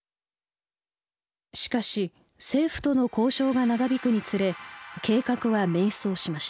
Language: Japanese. しかし政府との交渉が長引くにつれ計画は迷走しました。